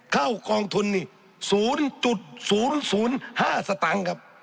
เข้ากองทุนนี่ศูนย์จุดศูนย์ศูนย์ห้าสตังค์ครับ